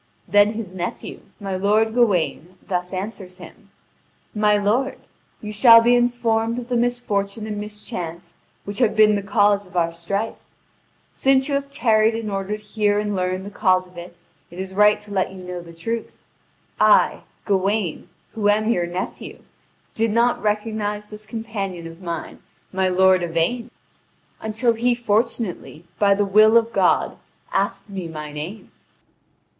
Then his nephew, my lord Gawain, thus answers him: "My lord, you shall be informed of the misfortune and mischance which have been the cause of our strife. Since you have tarried in order to hear and learn the cause of it, it is right to let you know the truth. I, Gawain, who am your nephew, did not recognise this companion of mine, my lord Yvain, until he fortunately, by the will of God, asked me my name.